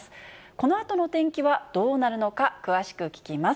このあとの天気はどうなるのか、詳しく聞きます。